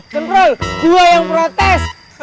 jempol gua yang protes